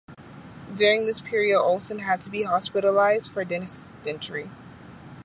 During this period Olsen had to be hospitalized for dysentery.